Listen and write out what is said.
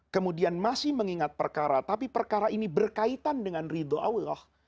kemudian masih mengingat perkara tapi perkara ini berkaitan dengan ridho allah